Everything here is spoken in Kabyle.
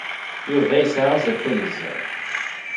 Yuba yesɛa azref ad iẓer.